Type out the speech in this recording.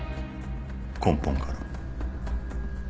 根本から。